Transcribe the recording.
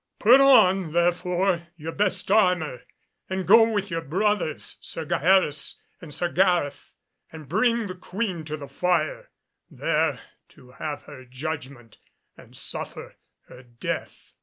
Put on, therefore, your best armour, and go with your brothers, Sir Gaheris and Sir Gareth, and bring the Queen to the fire, there to have her judgment and suffer her death."